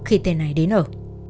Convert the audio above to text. khi tên này đến ở